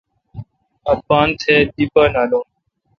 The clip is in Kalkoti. اپتھ دی پا نالون۔